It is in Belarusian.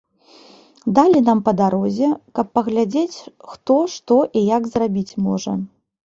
Далі нам па дарозе, каб паглядзець, хто, што і як зрабіць можа.